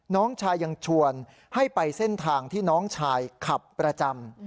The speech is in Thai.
น้องชายยังชวนให้ไปเส้นทางที่น้องชายขับประจำ